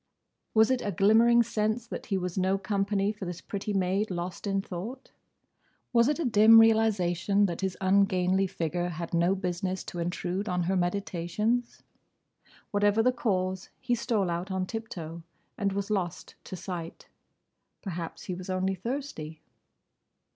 Was it a glimmering sense that he was no company for this pretty maid lost in thought? Was it a dim realisation that his ungainly figure had no business to intrude on her meditations? Whatever the cause, he stole out on tip toe and was lost to sight. Perhaps he was only thirsty.